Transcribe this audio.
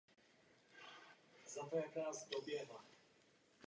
Kostry ptáků se oplachují pitnou vodou.